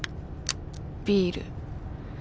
ビール。